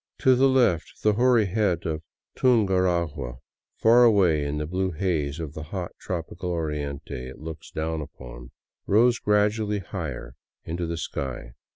To the left the hoary head of Tungaragua, far away in the blue haze of the hot, tropical Oriente it looks down upon, rose gradually higher into the sky.